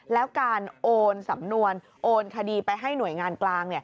แล้วการโอนสำนวนโอนคดีไปให้หน่วยงานกลาง